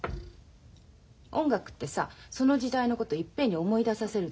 音楽ってさその時代のこといっぺんに思い出させるでしょ。